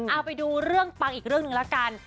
เอาไปดูเรื่องปังอีกเรื่องหนึ่งละกัน